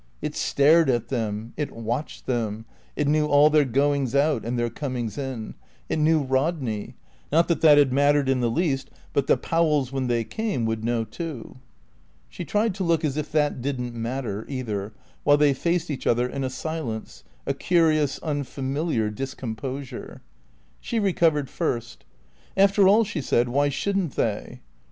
It stared at them; it watched them; it knew all their goings out and their comings in; it knew Rodney; not that that had mattered in the least, but the Powells, when they came, would know too. She tried to look as if that didn't matter, either, while they faced each other in a silence, a curious, unfamiliar discomposure. She recovered first. "After all," she said, "why shouldn't they?"